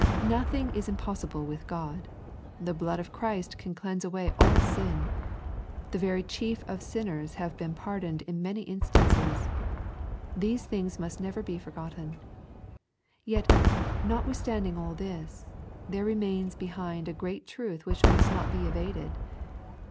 Nothing is impossible with God. The blood of Christ can cleanse away all sin. The verychief of sinners have been pardoned in many instances. These things must never be forgotten. Yet notwithstanding all this, there remains behind a great truth which must not be evaded.